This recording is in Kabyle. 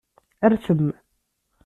Rtem.